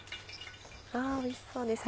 おいしそうですね。